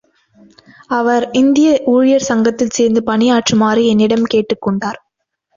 அவர் இந்திய ஊழியர் சங்கத்தில் சேர்ந்து பணியாற்றுமாறு என்னிடம் கேட்டுக் கொண்டார்.